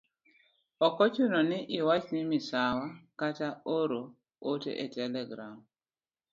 Ok ochuno ni iwach ni misawa kata oro ote e telegram.